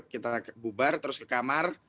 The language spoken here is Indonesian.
kita bubar terus ke kamar